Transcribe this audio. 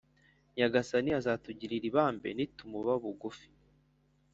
Nyagasani azatugirira ibambe nitumuba bugufi